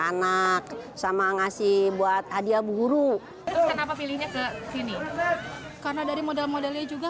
anak sama ngasih buat hadiah guru terus kenapa pilihnya ke sini karena dari model modelnya juga